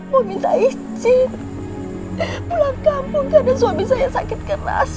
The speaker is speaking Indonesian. mau minta izin eh pulang kampung karena suami saya sakit keras